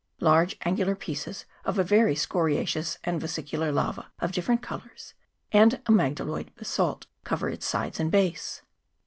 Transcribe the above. .Large angular pieces of a very scoriaceous and vesicular lava of different colours, and amygdaloidal basalt, cover its sides and base.